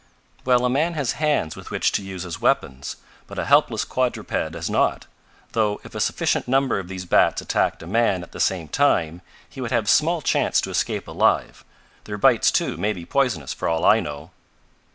"Well a man has hands with which to use weapons, but a helpless quadruped has not. Though if a sufficient number of these bats attacked a man at the same time, he would have small chance to escape alive. Their bites, too, may be poisonous for all I know."